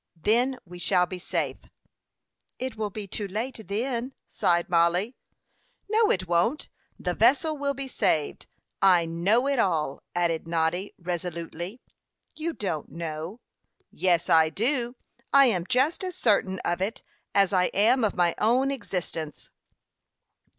Then we shall be safe." "It will be too late then," sighed Mollie. "No, it won't; the vessel will be saved. I know it will," added Noddy, resolutely. "You don't know." "Yes, I do; I am just as certain of it as I am of my own existence."